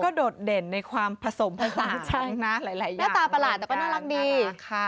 ก็โดดเด่นในความผสมผสมหลายอย่างน่ารักดี